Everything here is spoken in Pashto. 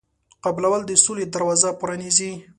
قبلول د سولې دروازه پرانیزي.